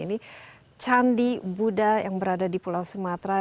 ini candi buddha yang berada di pulau sumatera